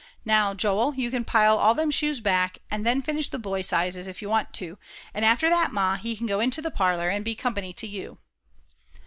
"Now, Joel, you can pile all them shoes back, and then finish the boys' sizes, if you want to; and after that, Ma, he can go into the parlor, and be company to you."